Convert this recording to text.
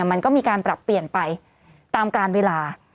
มันก็มีการปรับเปลี่ยนไปตามการเวลา